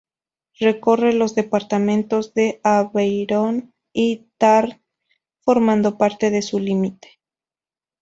Recorre los departamento de Aveyron y Tarn, formando parte de su límite.